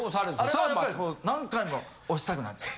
あれはやっぱりこう何回も押したくなっちゃう。